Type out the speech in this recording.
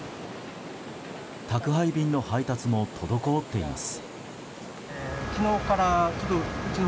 宅配便の配達も滞っています。